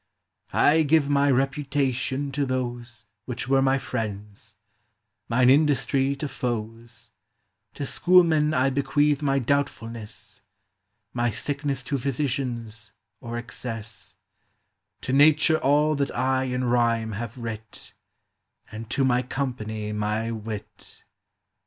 I give my reputation to those Which were my friends ; mine industry to foes ; To schoolmen I bequeathe my doubtfulness ; My sickness to physicians, or excess ; To Nature all that I in rhyme have writ ; And to my company my wit.